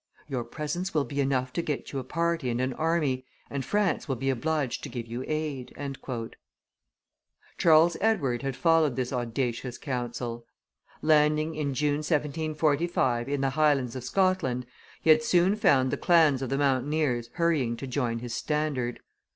"Your presence will be enough to get you a party and an army, and France will be obliged to give you aid." Charles Edward had followed this audacious counsel. Landing, in June, 1745, in the Highlands of Scotland, he had soon found the clans of the mountaineers hurrying to join his standard.